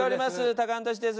「タカアンドトシです」